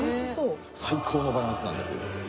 最高のバランスなんです・